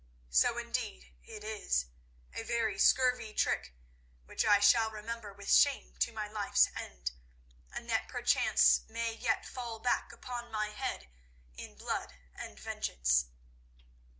So indeed it is—a very scurvy trick which I shall remember with shame to my life's end, and that perchance may yet fall back upon my head in blood and vengeance.